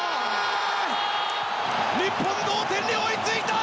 日本、同点に追いついた！